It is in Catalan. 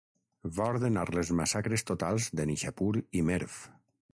Va ordenar les massacres totals de Nishapur i Merv.